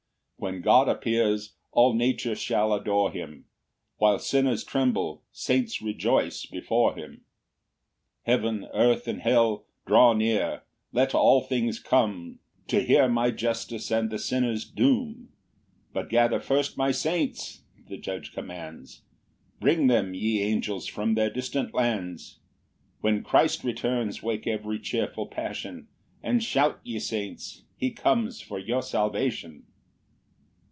When God appears, all nature shall adore him; While sinners tremble, saints rejoice before him, 3 "Heaven, earth, and hell, draw near; let all things come "To hear my justice and the sinner's doom; "But gather first my saints," the Judge commands, "Bring them, ye angels from their distant lands:" When Christ returns, wake every cheerful passion, And shout, ye saints; he comes for your salvation.